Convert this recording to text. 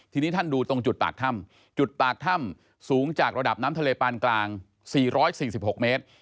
ทีนี้ท่านดูตรงจุดปากถ้ำจุดปากถ้ำสูงจากระดับน้ำทะเลปานกลาง๔๔๖เมตร